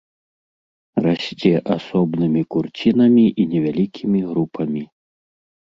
Расце асобнымі курцінамі і невялікімі групамі.